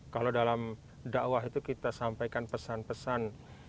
kalau dalam dakwah itu kita sampaikan pesan pesan